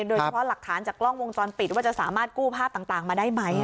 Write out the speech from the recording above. โดยเฉพาะหลักฐานจากกล้องวงจรปิดว่าจะสามารถกู้ภาพต่างมาได้ไหม